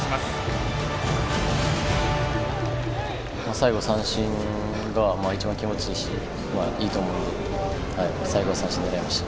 最後三振が一番気持ちいいしいいと思うので最後は三振を狙いました。